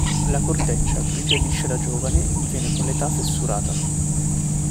La corteccia, grigia e liscia da giovane, diviene con l'età fessurata.